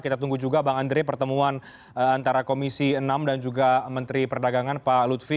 kita tunggu juga bang andre pertemuan antara komisi enam dan juga menteri perdagangan pak lutfi